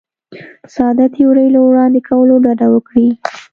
ساده تیورۍ له وړاندې کولو ډډه وکړي.